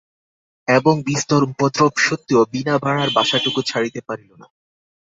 এবং বিস্তর উপদ্রব সত্ত্বেও বিনা ভাড়ার বাসাটুকু ছাড়িতে পারিল না।